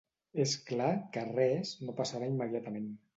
És clar que res no passarà immediatament.